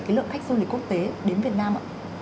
cái lượng khách du lịch quốc tế đến việt nam ạ